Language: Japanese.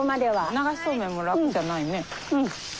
流しそうめんも楽じゃないね。